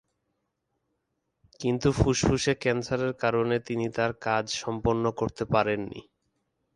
কিন্তু ফুসফুসে ক্যান্সারের কারণে তিনি তাঁর কাজ সম্পন্ন করতে পারেন নি।